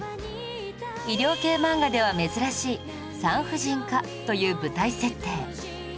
医療系漫画では珍しい産婦人科という舞台設定